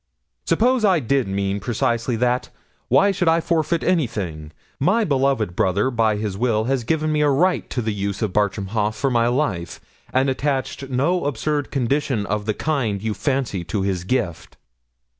'"Suppose I did mean precisely that, why should I forfeit anything? My beloved brother, by his will, has given me a right to the use of Bartram Haugh for my life, and attached no absurd condition of the kind you fancy to his gift."